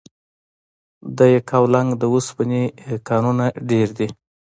د یکاولنګ د اوسپنې کانونه ډیر دي؟